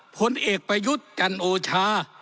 ผลเอกประยุทธ์จันโอชา